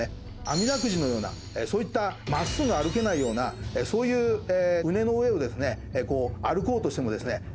あみだくじのような、そういった真っすぐ歩けないようなそういう畝の上をですね歩こうとしてもですね